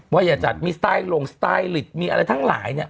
อย่าจัดมีสไตล์ลงสไตลิตมีอะไรทั้งหลายเนี่ย